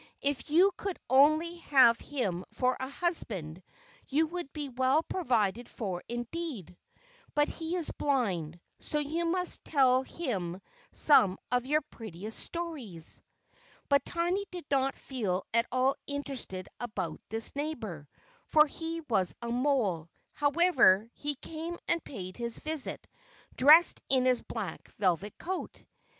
If you could only have him for a husband, you would be well provided for indeed! But he is blind, so you must tell him some of your prettiest stories." But Tiny did not feel at all interested about this neighbour, for he was a mole. However, he came and paid his visit, dressed in his black velvet coat.